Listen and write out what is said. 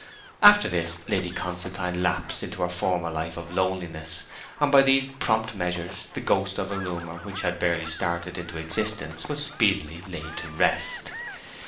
After this Lady Constantine lapsed into her former life of loneliness; and by these prompt measures the ghost of a rumour which had barely started into existence was speedily laid to rest.